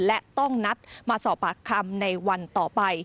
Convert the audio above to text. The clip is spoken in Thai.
และต้องนัดมาสอบปากคำในวันต่อไป